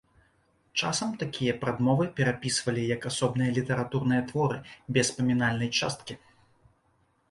Часам такія прадмовы перапісвалі як асобныя літаратурныя творы без памінальнай часткі.